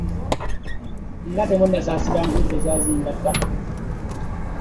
Nga temunasaasira nkuyege zazimba ttaka .